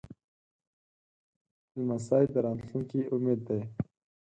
لمسی د راتلونکي امید دی.